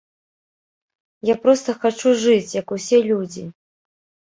Я проста хачу жыць, як усе людзі.